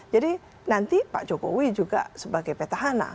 jadi nanti pak jokowi juga sebagai petahana